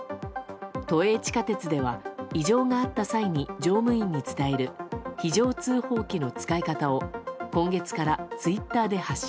都営地下鉄では異常があった際に乗務員に伝える非常通報器の使い方を今月からツイッターで発信。